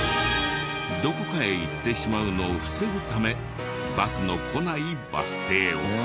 どこかへ行ってしまうのを防ぐためバスの来ないバス停を。